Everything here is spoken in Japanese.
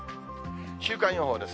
週間予報です。